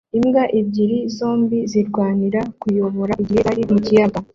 Imbwa ebyiri zombi zirwanira kuyobora igihe zari mu kiyaga